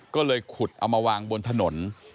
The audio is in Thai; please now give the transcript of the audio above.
ก็เลยขุดเอามาวางบนถนน